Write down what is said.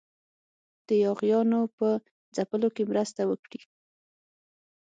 د یاغیانو په ځپلو کې مرسته وکړي.